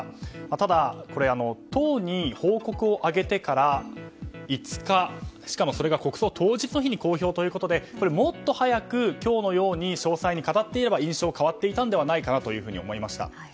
ただ、党に報告を上げてから５日しかもそれが国葬当日の日に公表ということでもっと早く、今日のように詳細に語っていれば印象が変わっていたのではないかなと思いました。